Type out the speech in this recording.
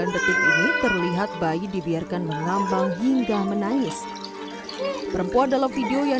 tiga puluh sembilan detik ini terlihat bayi dibiarkan melambang hingga menangis perempuan dalam video yang